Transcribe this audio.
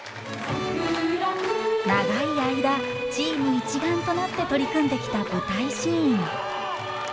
長い間チーム一丸となって取り組んできた舞台シーン。